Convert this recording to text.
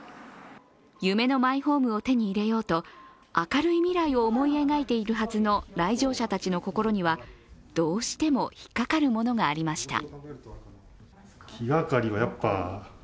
夢のマイホームを手に入れようと、明るい未来を思い描いているはずの来場者たちの心には、どうしても引っかかるものがありました。